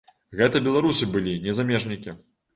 Гэта беларусы былі, не замежнікі.